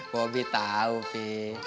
bobi tau pi